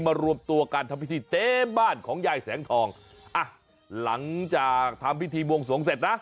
รวมตัวการทำพิธีเต็มบ้านของยายแสงทองอ่ะหลังจากทำพิธีบวงสวงเสร็จนะ